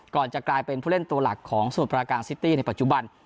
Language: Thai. จะกลายเป็นผู้เล่นตัวหลักของสมุทรปราการซิตี้ในปัจจุบัน